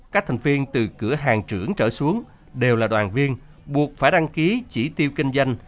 các thành viên từ cửa hàng trưởng trở xuống đều là đoàn viên buộc phải đăng ký chỉ tiêu kinh doanh